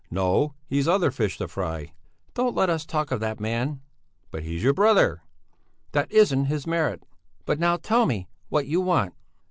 No, he's other fish to fry!" "Don't let us talk of that man." "But he's your brother!" "That isn't his merit! But now tell me what you want."